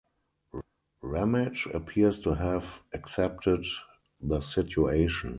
Ramage appears to have accepted the situation.